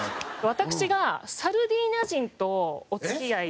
私がサルデーニャ人とお付き合い。